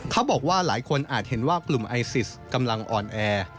เขาบอกว่าหลายคนอาจเห็นว่ากลุ่มไอซิสกำลังอ่อนแอ